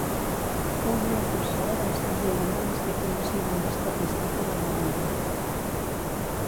Fou una impulsora de l'establiment de l'Institut Nacional d'Estadística de Ruanda.